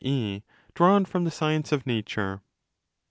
e. drawn from the science of nature.